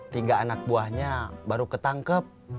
tiga anak buahnya baru ketangkep